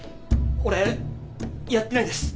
俺やってないです。